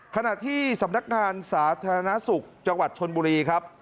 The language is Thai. ขณะที่สำนักงานสาธารณสุขจังหวัดชนบุรีครับ